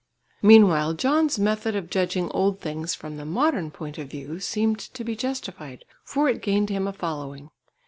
Meanwhile John's method of judging old things from the modern point of view seemed to be justified, for it gained him a following.